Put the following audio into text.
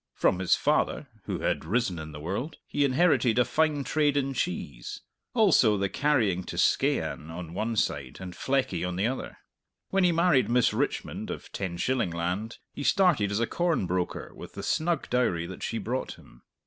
From his father (who had risen in the world) he inherited a fine trade in cheese; also the carrying to Skeighan on the one side and Fleckie on the other. When he married Miss Richmond of Tenshillingland, he started as a corn broker with the snug dowry that she brought him.